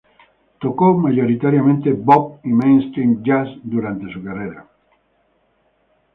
Tocó mayoritariamente bop y mainstream jazz durante su carrera.